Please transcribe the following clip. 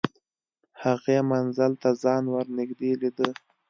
هغې منزل ته ځان ور نږدې لیده